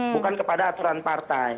bukan kepada aturan partai